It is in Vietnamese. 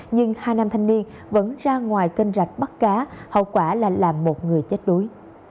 nhưng hai nam thanh niên vẫn ra ngoài kênh rạch bắt cá hậu quả là làm một người chết đuối